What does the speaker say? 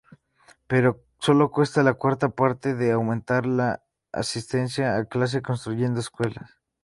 Pero solo cuesta la cuarta parte de aumentar la asistencia a clase construyendo escuelas.